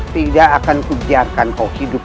tidak akan ku biarkan kau hidup